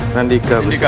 sendika gusti prabu